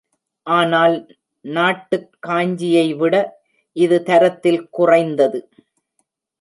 ஆனால் நாட்டுக் காஞ்சியைவிட இது தரத்தில் குறைந்தது.